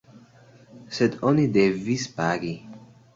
Sed oni devis pagi.